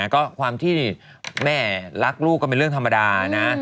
ก็ความที่แม่รักลูกก็เป็นเรื่องธรรมดานะ